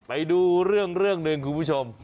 ไปดูเรื่องหนึ่งคุณผู้ชม